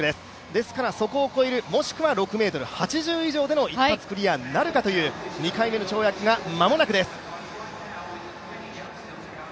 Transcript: ですからそこを超える、もしくは６ｍ８０以上の一発クリアとなるかという２回目の跳躍が間もなくです。